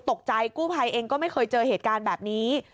ตกใจกู้ภัยเองก็ไม่เคยเจอเหตุการณ์แบบนี้